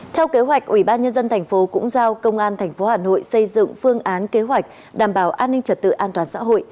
theo kế hoạch ủy ban nhân dân thành phố cũng giao công an tp hà nội xây dựng phương án kế hoạch đảm bảo an ninh trật tự an toàn xã hội